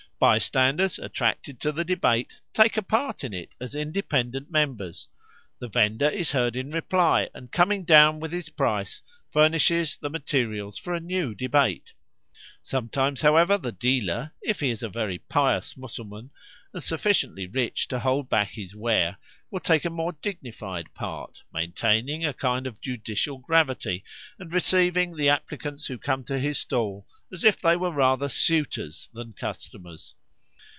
Bystanders attracted to the debate take a part in it as independent members; the vendor is heard in reply, and coming down with his price, furnishes the materials for a new debate. Sometimes, however, the dealer, if he is a very pious Mussulman, and sufficiently rich to hold back his ware, will take a more dignified part, maintaining a kind of judicial gravity, and receiving the applicants who come to his stall as if they were rather suitors than customers.